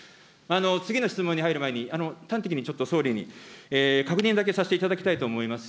次の質問に入る前に、端的にちょっと総理に、確認だけさせていただきたいと思います。